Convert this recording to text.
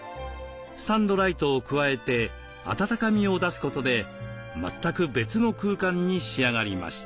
スタンドライトを加えてあたたかみを出すことで全く別の空間に仕上がりました。